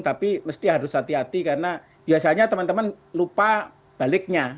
tapi mesti harus hati hati karena biasanya teman teman lupa baliknya